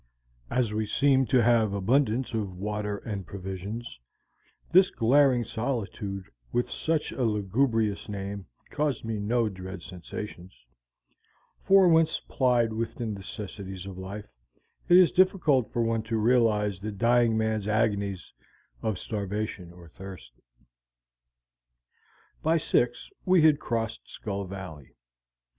As we seemed to have abundance of water and provisions, this glaring solitude with such a lugubrious name caused me no dread sensations, for when supplied with the necessities of life, it is difficult for one to realize the dying man's agonies of starvation or thirst. By six we had crossed Skull Valley.